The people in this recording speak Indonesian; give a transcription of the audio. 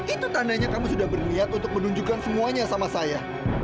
itu tandanya kamu sudah berniat untuk menunjukkan semuanya sama saya